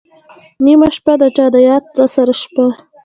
نېمه شپه ، د چا د یاد راسره شپه